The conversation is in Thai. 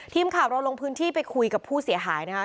ทีมข่าวเราลงพื้นที่ไปคุยกับผู้เสียหายนะคะ